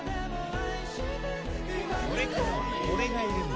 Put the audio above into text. これからは俺がいるんで。